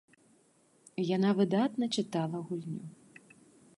Яна выдатна чытала гульню.